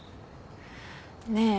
ねえ。